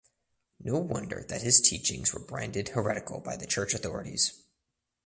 No wonder that his teachings were branded heretical by the church authorities.